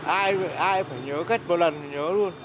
ai phải nhớ khách một lần thì nhớ luôn